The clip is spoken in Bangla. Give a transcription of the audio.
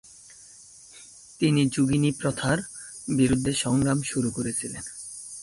তিনি যোগিনী প্রথার বিরুদ্ধে সংগ্রাম শুরু করেছিলেন।